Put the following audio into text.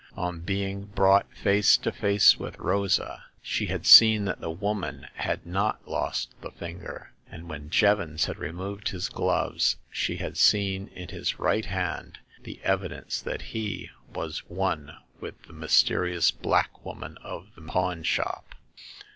On being brought face to face with Rosa, she had seen that the woman had not lost the finger ; and when Jevons had removed his gloves she had seen in his right hand the evidence that he was one with the mysterious black woman of the pawn shop.